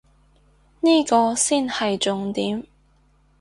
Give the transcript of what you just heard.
呢個先係重點